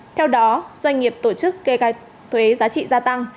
theo đó doanh nghiệp tổ chức kê khai thuế giá trị gia tăng